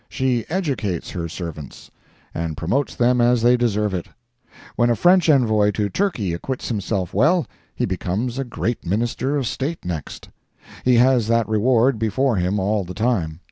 She educates her servants, and promotes them as they deserve it. When a French Envoy to Turkey acquits himself well, he becomes a great Minister of State, next. He has that reward before him all the time.